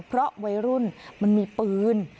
เพราะวัยรุ่นมันมีปืน